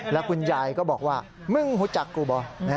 แล้วคุณยายก็บอกว่ามึงรู้จักกูบ่